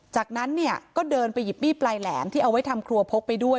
จากนั้นเนี่ยก็เดินไปหยิบมีดปลายแหลมที่เอาไว้ทำครัวพกไปด้วย